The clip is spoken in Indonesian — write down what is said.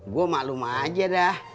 gue maklum aja dah